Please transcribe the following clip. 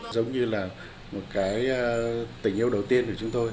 giống như là một cái tình yêu đầu tiên của chúng tôi